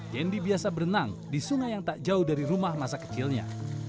jendi biasa berenang di sungai yang tak jauh dari rumah masa kecilnya